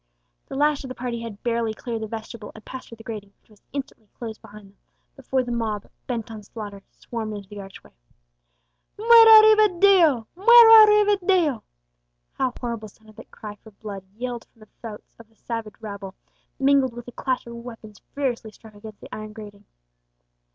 The last of the party had barely cleared the vestibule, and passed through the grating, which was instantly closed behind them, before the mob, bent on slaughter, swarmed into the archway. "Muera Rivadeo! muera Rivadeo!" How horrible sounded that cry for blood yelled from the throats of the savage rabble, mingled with the clash of weapons furiously struck against the iron grating.